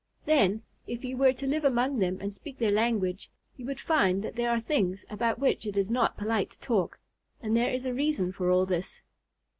Then, if you were to live among them and speak their language, you would find that there are many things about which it is not polite to talk. And there is a reason for all this.